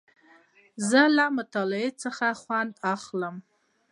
زه له مطالعې څخه خوند اخلم.